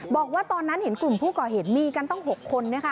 บอกว่าตอนนั้นเห็นกลุ่มผู้ก่อเหตุมีกันตั้ง๖คนนะคะ